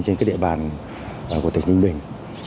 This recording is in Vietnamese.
trên cái địa bàn của tỉnh ninh bình